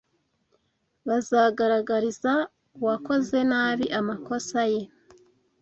bazagaragariza uwakoze nabi amakosa ye